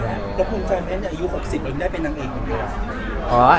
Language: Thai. แล้วคุณใจไหมอายุของสิ่งอื่นได้เป็นนางเองกันดีกว่า